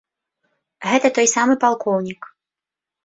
Гэта той самы палкоўнік.